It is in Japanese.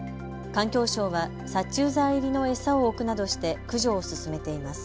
環境省は殺虫剤入りの餌を置くなどして駆除を進めています。